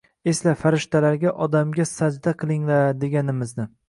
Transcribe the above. «Esla, farishtalarga: «Odamga sajda qilinglar!» deganimizni.